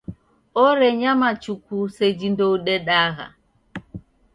Orenyama chuku seji ndoudedagha.